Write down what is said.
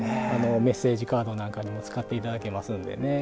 メッセージカードなんかにも使って頂けますんでね。